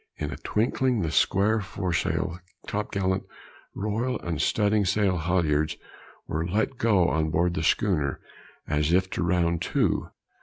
In a twinkling the square foresail topgallant royal and studding sail haulyards, were let go on board the schooner, as if to round to.